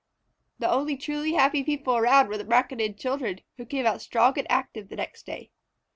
The only truly happy people around were the Braconid children, who came out strong and active the next day.